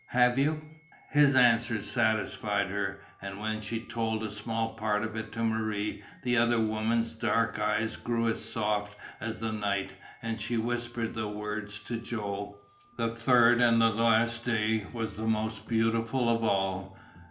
"Have you?" His answer satisfied her. And when she told a small part of it to Marie, the other woman's dark eyes grew as soft as the night, and she whispered the words to Joe. The third and last day was the most beautiful of all.